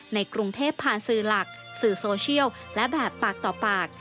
ในกรุงเทพผ่านสื่อหลักสื่อโซเชียลและแบบปากต่อปาก